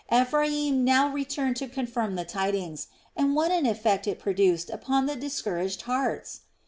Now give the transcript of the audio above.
Ephraim now returned to confirm the glad tidings, and what an effect it produced upon the discouraged hearts!